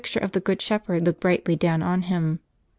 ure of the Good Shepherd looked brightly down on him.